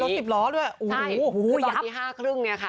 เดี๋ยวนั้นมีรถจิบล้อด้วยโอ้โหโอ้โหยับใช่คือตอนที่๕๓๐นี่ค่ะ